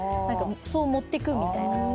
そう持ってくみたいな。